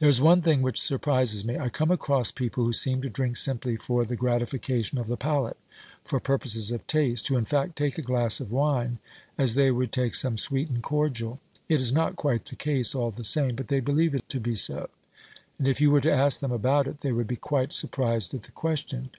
There is one thing which surprises me — I come across people who seem to drink simply for the gratification of the palate, for purposes of taste, who, in fact, take a glass of wine as they would take some sweetened cordial. It is not quite the case all the same, but they believe it to be so, and if you were to' ask them about it they would be quite surprised at the question.